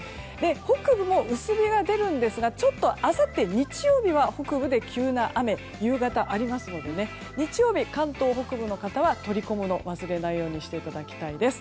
北部も薄着が出るんですがちょっと、あさって日曜日は北部で急な雨が夕方ありますので日曜日、関東北部の方は取り込むのを忘れないようにしていただきたいです。